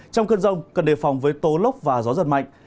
trong cơn rông cần đề phòng với tố lốc và gió giật mạnh